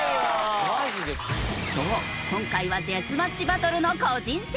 そう今回はデスマッチバトルの個人戦。